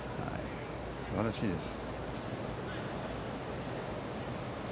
すばらしいです。